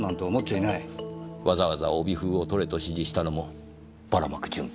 わざわざ帯封を取れと指示したのもバラ撒く準備。